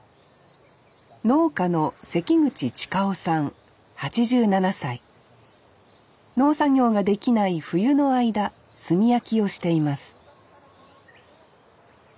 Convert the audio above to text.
農家の農作業ができない冬の間炭焼きをしています